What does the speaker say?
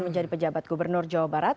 menjadi pejabat gubernur jawa barat